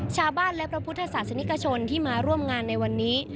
ชาวบ้านและพระพุทธศาสนิกชนที่มาร่วมงานในวันนี้